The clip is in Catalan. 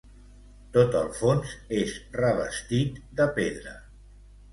Tot el fons és revestit de pedra.